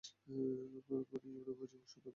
পানি জীবনের অপরিহার্য অংশ তবে এটি অনেক রোগের বাহক।